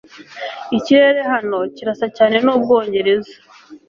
ikirere hano kirasa cyane n'ubwongereza